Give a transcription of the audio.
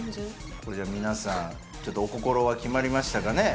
これじゃあ皆さんちょっとお心は決まりましたかね？